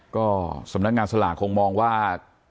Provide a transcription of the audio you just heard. ก็สำนักงานสลากคงมองว่า